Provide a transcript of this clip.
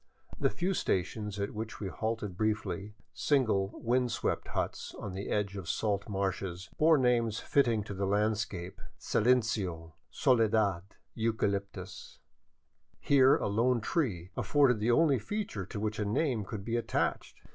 The few stations at which we halted briefly, single, wind swept huts on the edge of salt marshes, bore names fitting to the land scape,— Silencio, Soledad, Eucalyptus — here a lone tree afforded the only feature to which a name could be attached.